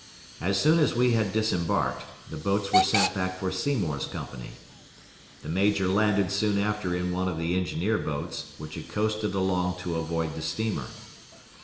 As soon as we had disembarked, the boats were sent back for Seymour's company. The major landed soon after in one of the engineer boats, which had coasted along to avoid the steamer.